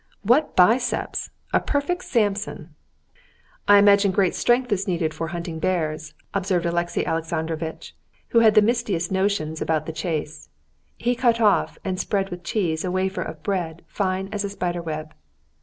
"What biceps! A perfect Samson!" "I imagine great strength is needed for hunting bears," observed Alexey Alexandrovitch, who had the mistiest notions about the chase. He cut off and spread with cheese a wafer of bread fine as a spider web.